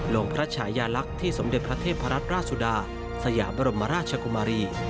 พระชายาลักษณ์ที่สมเด็จพระเทพรัตนราชสุดาสยามบรมราชกุมารี